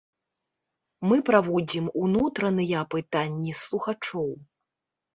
Мы праводзім унутраныя апытанні слухачоў.